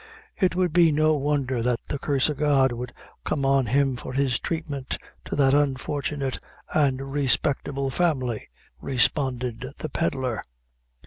"It would be no wondher that the curse o' God would come on him for his tratement to that unfortunate and respectable family," responded the pedlar.